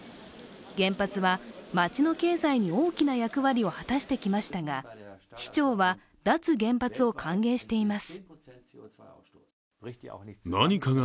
原発は街の経済に大きな役割を果たしてきましたが、市長は脱原発を歓迎しています。